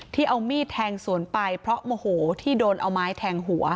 ที่เอามีดแทงสวนไปเพราะโมโหที่โดนเอาไม้แทงหัว